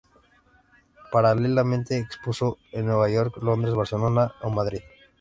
Paralelamente, expuso en Nueva York, Londres, Barcelona o Madrid.